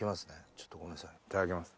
ちょっとごめんなさいいただきます。